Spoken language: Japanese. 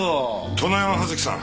殿山葉月さん